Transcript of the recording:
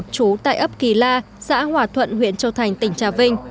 trú tại ấp kỳ la xã hòa thuận huyện châu thành tỉnh trà vinh